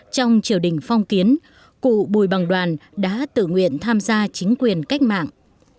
trong triều đình phong kiến cụ bùi bằng đoàn đã tự nguyện tham gia chính quyền cách mạng